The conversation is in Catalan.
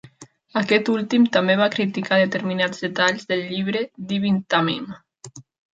Aquest últim també va criticar determinats detalls del llibre d'Ibn Tamim.